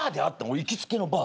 行きつけのバー。